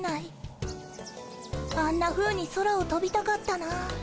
あんなふうに空をとびたかったな。